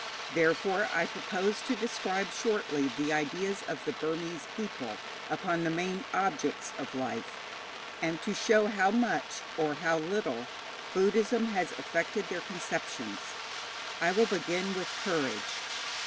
Therefore I propose to describe shortly the ideas of the Burmese people upon the main objects of life; and to show how much or how little Buddhism has affected their conceptions. I will begin with courage.